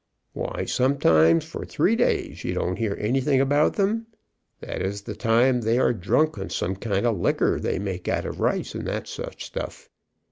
Why, sometimes for three days you don't hear anything about them. That is the time they are drunk on some kind of liquor they make out of rice, and such stuff.